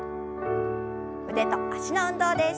腕と脚の運動です。